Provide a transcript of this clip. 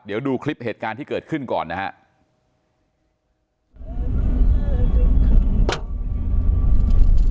เดี๋ยวดูคลิปเหตุการณ์ที่เกิดขึ้นก่อนนะครับ